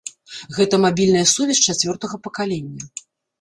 Гэта мабільная сувязь чацвёртага пакалення.